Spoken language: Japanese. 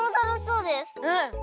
うん！